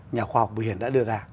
nhà khoa học bùi hiền đã đưa ra